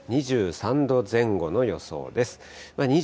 ２３度前後の予想です。